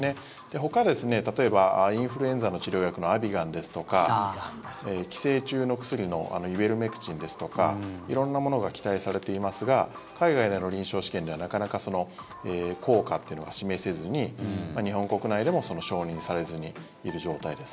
ほか、例えばインフルエンザの治療薬のアビガンですとか寄生虫の薬のイベルメクチンですとか色んなものが期待されていますが海外での臨床試験ではなかなかその効果っていうのが示せずに日本国内でも承認されずにいる状態です。